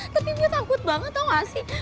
tapi gue takut banget tau gak sih